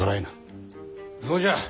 そうじゃ。